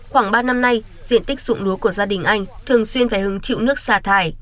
khoảng ba năm nay diện tích dụng lúa của gia đình anh thường xuyên phải hứng chịu nước xả thải